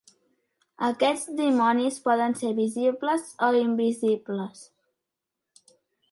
Aquests dimonis poden ser visibles o invisibles.